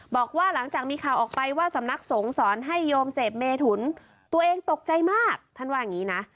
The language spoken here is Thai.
บอกว่าหลังจากมีข่าวออกไปว่าสำนักสงฆ์สอนให้โยมเสพเมถุนตัวเองตกใจมากท่านว่าอย่างนี้นะ